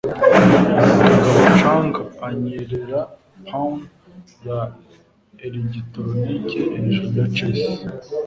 Kagabo Chang anyerera pawn ya elegitoronike hejuru ya chess